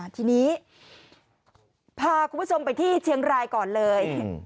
ทีนี้พาคุณผู้ชมไปที่เชียงรายก่อนเลย